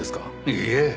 いいえ。